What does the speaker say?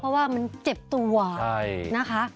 เพราะว่ามันเจ็บตัวนะคะ